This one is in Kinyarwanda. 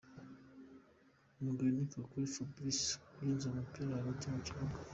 Mugheni Kakule Fabrice agenzura umupira hagati mu kibuga.